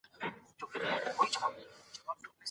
ولي لېواله انسان د وړ کس په پرتله ژر بریالی کېږي؟